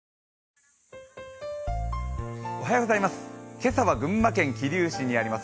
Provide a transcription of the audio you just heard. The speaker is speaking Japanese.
今朝は群馬県桐生市にあります